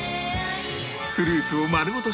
フルーツを丸ごと